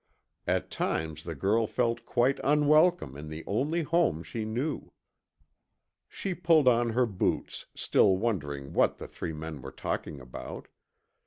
At times the girl felt quite unwelcome in the only home she knew. She pulled on her boots, still wondering what the three men were talking about.